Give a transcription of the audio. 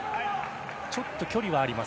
ちょっと距離はあります